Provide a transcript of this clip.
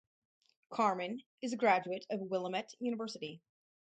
Carman is a graduate of Willamette University.